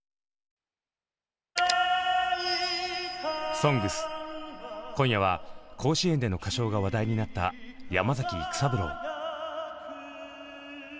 「ＳＯＮＧＳ」今夜は甲子園での歌唱が話題になった山崎育三郎。